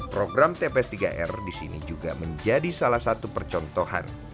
program tps tiga r di sini juga menjadi salah satu percontohan